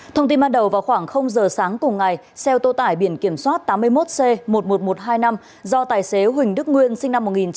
thông tin ban đầu vào khoảng giờ sáng cùng ngày xe ô tô tải biển kiểm soát tám mươi một c một mươi một nghìn một trăm hai mươi năm do tài xế huỳnh đức nguyên sinh năm một nghìn chín trăm tám mươi